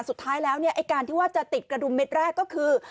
สุดท้ายแล้วเนี่ยไอ้การที่ว่าจะติดกระดุมเม็ดแรกก็คือ